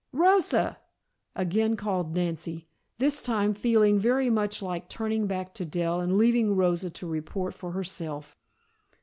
"Rosa!" again called Nancy, this time feeling very much like turning back to Dell and leaving Rosa to report for herself.